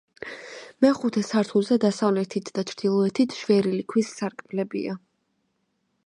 მეხუთე სართულზე დასავლეთით და ჩრდილოეთით შვერილი ქვის სარკმლებია.